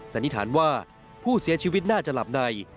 สันนิษฐานว่าผู้เสียชีวิตน่าจะหลับใน